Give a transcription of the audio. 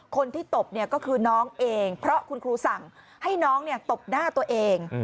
ตบก็คือน้องเองเพราะคุณครูสั่งให้น้องตบหน้าตัวเอง